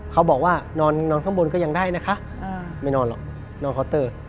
เขาบอกว่านอนข้างบนก็ยังได้นะคะไม่นอนหรอกนอนเคาน์เตอร์